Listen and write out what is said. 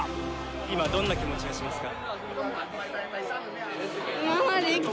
今どんな気持ちがしますか？